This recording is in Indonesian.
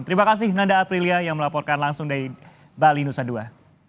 terima kasih nanda aprilia yang melaporkan langsung dari bali nusa dua